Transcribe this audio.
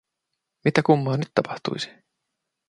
Mitä kummaa nyt tapahtuisi?